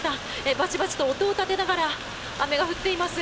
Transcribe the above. バチバチと音を立てながら雨が降っています。